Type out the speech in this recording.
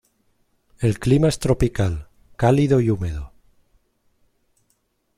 El clima es tropical: cálido y húmedo.